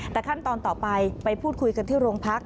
แต่ขั้นตอนต่อไปไปพูดคุยกันที่โรงพัก